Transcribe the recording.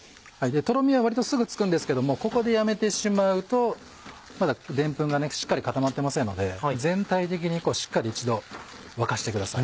とろみは割とすぐつくんですけどもここでやめてしまうとまだでんぷんがしっかり固まってませんので全体的にしっかり一度沸かしてください。